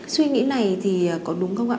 suy nghĩ này có đúng không ạ